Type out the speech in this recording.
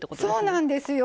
そうなんですよ